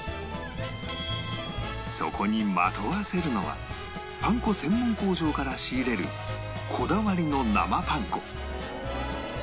そこにまとわせるのはパン粉専門工場から仕入れるこだわりの生パン粉